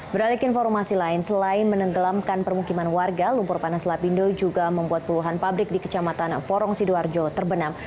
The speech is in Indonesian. beralik informasi lain selain menenggelamkan permukiman warga lumpur panas lapindo juga membuat puluhan pabrik di kecamatan porong sidoarjo terbenam